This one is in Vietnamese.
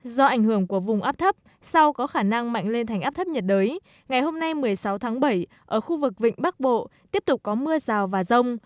do ảnh hưởng của vùng áp thấp sao có khả năng mạnh lên thành áp thấp nhiệt đới ngày hôm nay một mươi sáu tháng bảy ở khu vực vịnh bắc bộ tiếp tục có mưa rào và rông